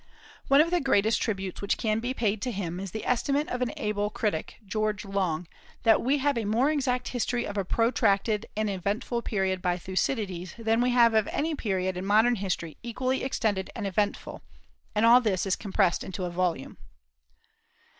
One of the greatest tributes which can be paid to him is the estimate of an able critic, George Long, that we have a more exact history of a protracted and eventful period by Thucydides than we have of any period in modern history equally extended and eventful; and all this is compressed into a volume.